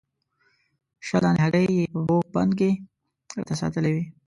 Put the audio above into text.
شل دانې هګۍ یې په بوغ بند کې راته ساتلې وې.